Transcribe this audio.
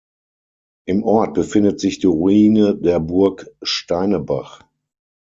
Im Ort befindet sich die Ruine der Burg Steinebach.